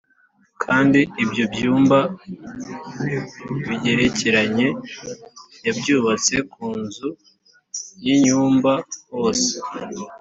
Kandi ibyo byumba bigerekeranye yabyubatse ku nzu y’inyumba hose